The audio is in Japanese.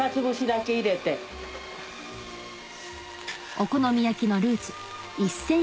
お好み焼きのルーツ